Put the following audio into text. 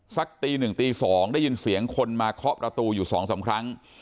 สักตีหนึ่งตี๒ได้ยินเสียงคนมาเคาะประตูอยู่๒๓ครั้ง